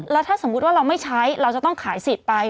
แล้วถ้าสมมุติว่าเราไม่ใช้เราจะต้องขายสิทธิ์ไป